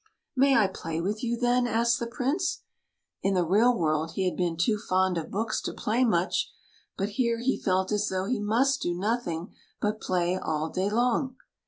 "May I play with you, then?" asked the Prince. In the real world he had been too fond of books to play much, but here he felt as though he must do nothing but play all day long.